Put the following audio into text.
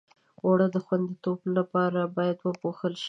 اوړه د خوندیتوب لپاره باید پوښل شي